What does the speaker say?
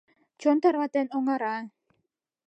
Чон тарватен оҥара.